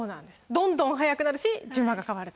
どんどん速くなるし順番が変わる。